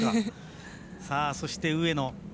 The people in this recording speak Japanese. そして、上野。